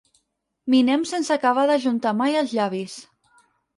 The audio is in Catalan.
Minem sense acabar d'ajuntar mai els llavis.